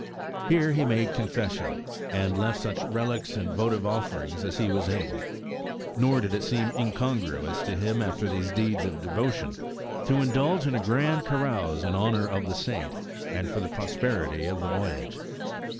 Here he made confession, and left such relics and vo tive offerings as he was able. Nor did it seem incon gruous to him after these deeds of devotion, to indulge in a grand carouse in honor of the saint, and for the prosperity of the voyage.